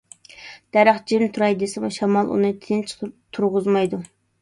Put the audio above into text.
دەرەخ جىم تۇراي دېسىمۇ، شامال ئۇنى تىنچ تۇرغۇزمايدۇ.